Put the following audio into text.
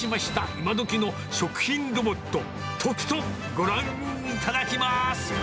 今どきの食品ロボット、とくとご覧いただきます。